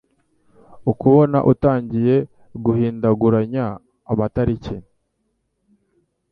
ukabona utangiye guhindaguranya amataliki,